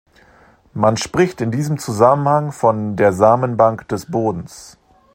Man spricht in diesem Zusammenhang von der Samenbank des Bodens.